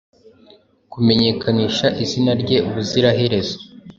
kumenyekanisha izina rye ubuziraherezo